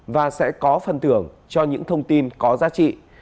và sẽ có phân tưởng cho những thông tin có giá trị